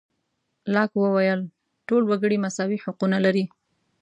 لاک وویل ټول وګړي مساوي حقونه لري.